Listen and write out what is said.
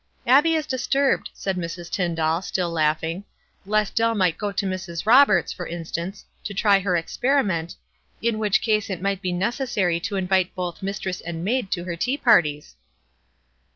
"Abbie is disturbed," said Mrs. Tyndall, still laughing, "lest Dell might go to Mrs. .Roberts', for instance, to try her experiment, in which case it might be necessary to invite both 'mis tress and maid' to her tea parties."